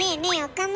岡村。